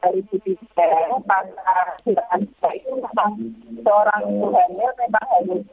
ketua keperjaan yang saya tahu